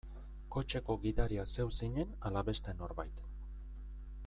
Kotxeko gidaria zeu zinen ala beste norbait?